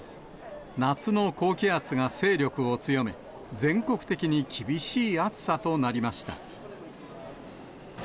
夏の高気圧が勢力を強め、全国的に厳しい暑さとなりました。